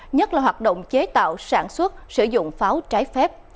nhất là hoạt động chế tạo sản xuất sử dụng pháo trái phép